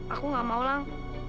aku gak mau lang